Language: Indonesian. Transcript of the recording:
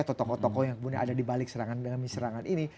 atau tokoh tokoh yang ada di balik serangan ini